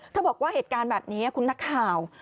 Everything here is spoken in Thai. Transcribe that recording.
บอกว่าเหตุการณ์แบบนี้คุณนักข่าว